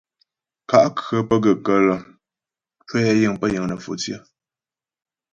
Kà' khə̌ pə́ gaə́ kələ ncwəyɛ yiŋ pə́ yiŋ nə̌fò tsyə.